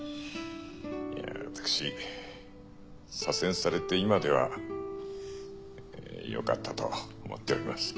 いや私左遷されて今ではよかったと思っております。